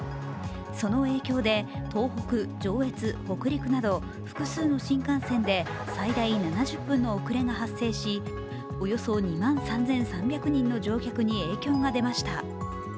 その影響で東北・上越・北陸など複数の新幹線で最大７０分の遅れが発生し、およそ２万３３００人の乗客に影響が出ました。